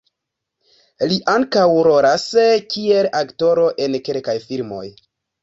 Li ankaŭ rolas kiel aktoro en kelkaj filmoj.